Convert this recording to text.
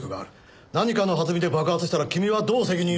何かの弾みで爆発したら君はどう責任を。